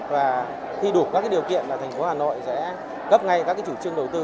và thi đủ các điều kiện và thành phố hà nội sẽ gấp ngay các chủ trương đầu tư